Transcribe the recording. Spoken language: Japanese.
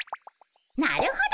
なるほど。